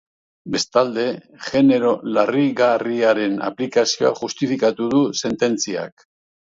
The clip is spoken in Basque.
Bestalde, genero larrigarriaren aplikazioa justifikatu du sententziak.